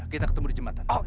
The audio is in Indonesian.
kita ketemu di jembatan